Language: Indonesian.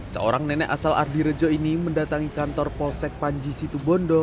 seorang nenek asal ardirejo ini mendatangi kantor polsek panji situbondo